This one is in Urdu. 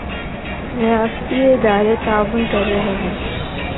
ریاستی ادارے تعاون کر رہے ہیں۔